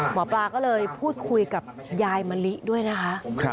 หมอปลาก็เลยพูดคุยกับยายมะลิด้วยนะคะ